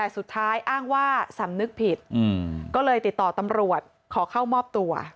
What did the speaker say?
แต่สุดท้ายอ้างว่าสำนึกผิดก็เลยติดต่อตำรวจขอเข้ามอบตัว